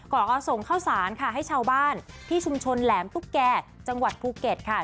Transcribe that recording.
ก็ส่งข้าวสารค่ะให้ชาวบ้านที่ชุมชนแหลมตุ๊กแก่จังหวัดภูเก็ตค่ะ